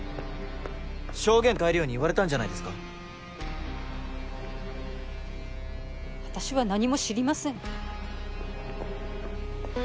証言変えるように言われたんじゃない私は何も知りません